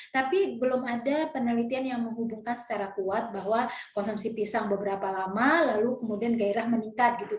tapi belum ada penelitian yang menghubungkan secara kuat bahwa konsumsi pisang beberapa lama lalu kemudian gairah meningkat gitu